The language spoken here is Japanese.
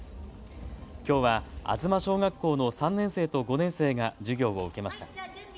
きょうは東小学校の３年生と５年生が授業を受けました。